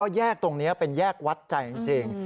แยกตรงนี้เป็นแยกวัดใจจริง